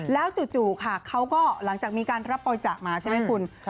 แล้วจู่ค่ะเขาก็หลังจากมีการรับบริจาคมาใช่ไหมคุณ